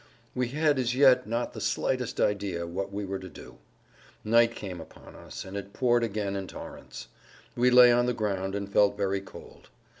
We had as yet not the slightest idea what we were to do. Night came upon us, and it poured again in torrents. We lay on the ground and felt very cold.